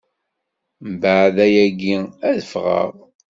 Mbeɛd ayagi, ad ffɣeɣ.